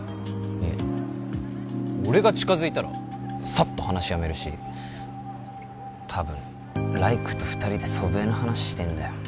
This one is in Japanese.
いや俺が近づいたらサッと話やめるし多分来玖と２人で祖父江の話してんだよ